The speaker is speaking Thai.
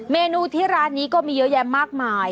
เมนูที่ร้านนี้ก็มีเยอะแยะมากมาย